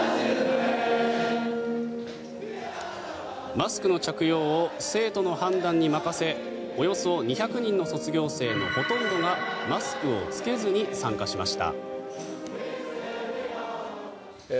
マスクの着用を生徒の判断に任せおよそ２００人の卒業生のほとんどがマスクを着けずに参加しました。